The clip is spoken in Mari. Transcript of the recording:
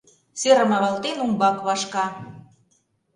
Серым авалтен, умбак вашка.